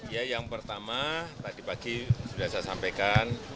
ya yang pertama tadi pagi sudah saya sampaikan